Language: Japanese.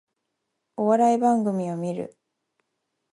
お笑い番組を観る